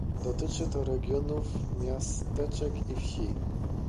Dotyczy to regionów, miasteczek i wsi